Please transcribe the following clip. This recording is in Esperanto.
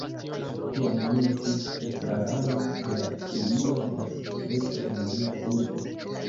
Tiam mi estis estrarano de la filio de la societo en mia urbo.